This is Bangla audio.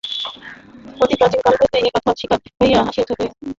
অতি প্রাচীন কাল হইতেই এ-কথা স্বীকৃত হইয়া আসিতেছে যে, ঈশ্বরোপাসনার বিভিন্ন প্রণালী আছে।